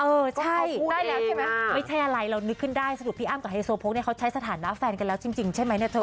ได้แล้วใช่ไหมไม่ใช่อะไรเรานึกขึ้นได้สรุปพี่อ้ำกับไฮโซโพกเนี่ยเขาใช้สถานะแฟนกันแล้วจริงใช่ไหมเนี่ยเธอ